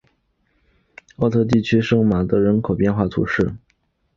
奥特地区圣马尔德人口变化图示